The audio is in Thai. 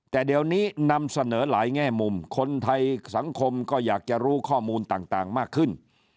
แต่เดี๋ยวนี้นำเสนอหลายแง่มุมคนไทยสังคมก็อยากจะรู้ข้อมูลต่างมากขึ้น